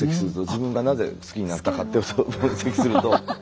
自分がなぜ好きになったかっていうことを分析すると。